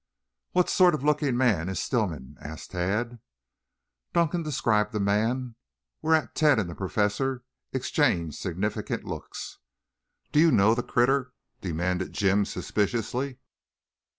"What sort of looking man is Stillman?" asked Tad. Dunkan described the man, whereat Tad and the Professor exchanged significant looks. "Do you know the critter?" demanded Jim suspiciously.